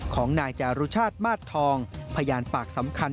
ของนายจารุชาติมาสทองพยานปากสำคัญ